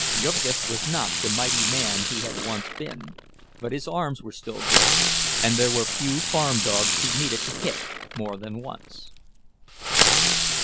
Jurgis was not the mighty man he had once been, but his arms were still good, and there were few farm dogs he needed to hit more than once.